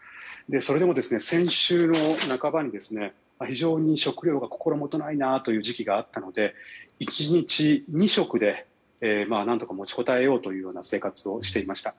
それでも先週の半ばに非常に食料が心もとないなという時期があったので１日２食で何とかもちこたえようという生活をしていました。